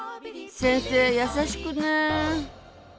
先生優しくねえ。